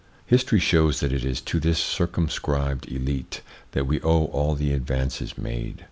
History shows that it is to this circumscribed elite that we owe all the advances made.